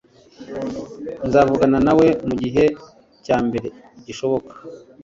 nzavugana nawe mugihe cyambere gishoboka